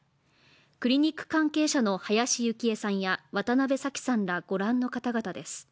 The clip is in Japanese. クリニック関係者の林幸恵さんや渡邉咲季さんら御覧の方々です。